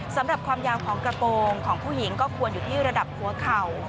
สำหรับความยาวของกระโปรงของผู้หญิงก็ควรอยู่ที่ระดับหัวเข่า